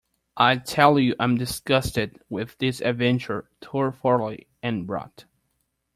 I tell you I am disgusted with this adventure tomfoolery and rot.